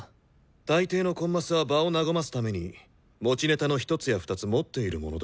大抵のコンマスは場を和ますために持ちネタの１つや２つ持っているものだ。